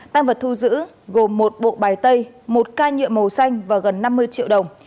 tăng vật thu giữ gồm một bộ bài tay một ca nhựa màu xanh và gần năm mươi triệu đồng